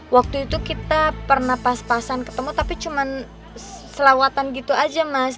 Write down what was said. waktu itu kita pernah pas pasan ketemu tapi cuma selawatan gitu aja mas